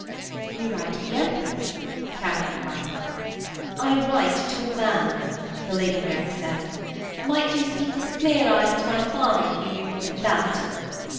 'You write to the Empress,' Katharine cried. 'I write to a man,' the Lady Mary said. 'Might you speak with clear eyes to my father if you knew more than that?'